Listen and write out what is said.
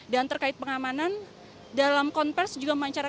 terkait pengamanan dalam konversi juga memancarkan